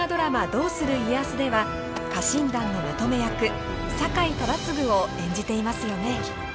「どうする家康」では家臣団のまとめ役酒井忠次を演じていますよね。